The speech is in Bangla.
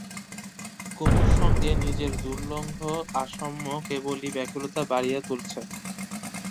কুমুর সঙ্গে নিজের দুর্লঙ্ঘ অসাম্য কেবলই ব্যাকুলতা বাড়িয়ে তুলছে।